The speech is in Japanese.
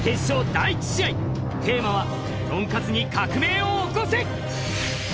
第一試合テーマはとんかつに革命を起こせ！